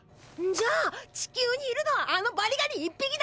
じゃあ地球にいるのはあのバリガリ１ぴきだけだか！？